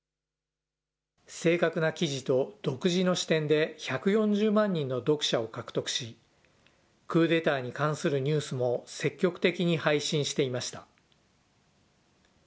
正確な記事と、独自の視点で１４０万人の読者を獲得し、クーデターに関するニュースも積極的に配信していました。